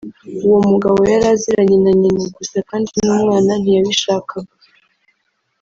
uwo mugabo yari aziranye na nyina gusa kandi n’umwana ntiyabishakaga